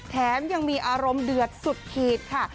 แถมยังมีอารมณ์เดือดสุดขีดค่ะ